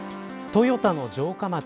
トヨタの城下町